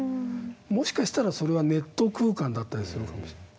もしかしたらそれはネット空間だったりするかもしれない。